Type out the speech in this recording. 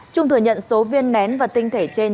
trung thừa nhận số viên nén và tinh thể trên